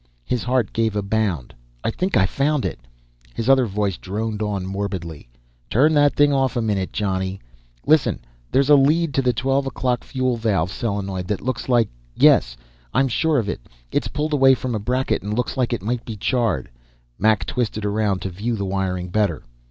His heart gave a bound. "I think I've found it!" His other voice droned on morbidly. "Turn that thing off a minute, Johnny. Listen; there's a lead to the twelve o'clock fuel valve solenoid that looks like ... yes, I'm sure of it. It's pulled away from a bracket and looks like it might be charred." Mac twisted around to view the wiring better.